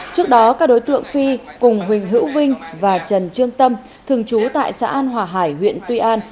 trước đó các đối tượng phi cùng huỳnh hữu vinh và trần trương tâm thường trú tại xã an hòa hải huyện tuy an